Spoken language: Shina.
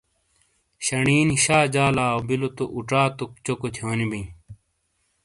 شنی نی شا جالاؤبیلو تو اُچاتوک چوکو تھیونی بئیں۔